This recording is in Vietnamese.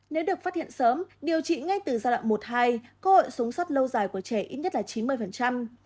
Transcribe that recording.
nếu được phát hiện sớm điều trị ngay từ giai đoạn một hai cơ hội sống sót lâu dài của trẻ ít nhất là chín mươi